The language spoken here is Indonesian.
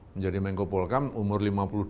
menjadi menko polkam umur lima puluh dua